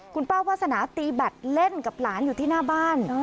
คุณป้าวาสนาตีแบตเล่นกับหลานอยู่ที่หน้าบ้าน